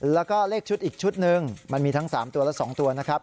แล้วก็เลขชุดอีกชุดหนึ่งมันมีทั้ง๓ตัวและ๒ตัวนะครับ